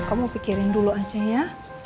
kamu pikirin dulu aja ya